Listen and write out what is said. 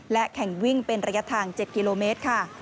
และแข่งวิ่งเป็นระยะทาง๗กิโลเมตรค่ะ